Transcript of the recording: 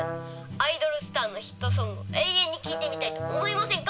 アイドルスターのヒットソングを永遠にきいてみたいと思いませんか？